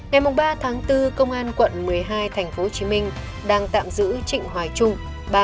ngày ba tháng bốn công an quận một mươi hai tp hcm đang tạm giữ trịnh hoài trung